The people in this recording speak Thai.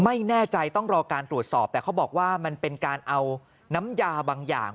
ไม่แน่ใจต้องรอการตรวจสอบแต่เขาบอกว่ามันเป็นการเอาน้ำยาบางอย่าง